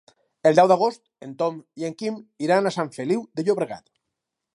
El deu d'agost en Tom i en Quim iran a Sant Feliu de Llobregat.